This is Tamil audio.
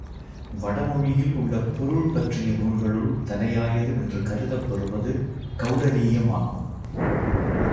வடமொழியில் உள்ள பொருள் பற்றிய நூல்களுள் தலையாயது என்று கருதப் பெறுவது கெளடலீயம் ஆகும்.